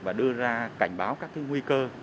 và đưa ra cảnh báo các cái nguy cơ